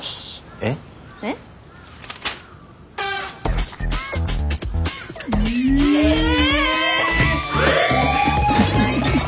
えっ？えっ？えっ！？